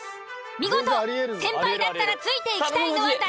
見事先輩だったらついていきたいのは誰？